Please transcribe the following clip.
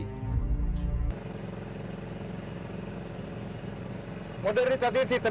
ketika diperkenalkan kelas tersebut diperkenalkan dengan sistem kelas modern